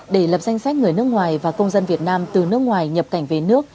để lập danh sách người nước ngoài và công dân việt nam từ nước ngoài nhập cảnh về nước